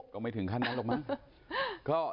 ก็ไม่ถึงขั้นนั้นหรอกมั้ง